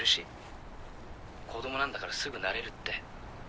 子供なんだからすぐ慣れるって。